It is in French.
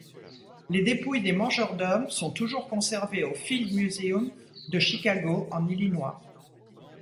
Les dépouilles des mangeurs-d'hommes sont toujours conservées au Field Museum de Chicago, Illinois.